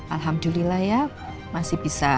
alhamdulillah ya masih bisa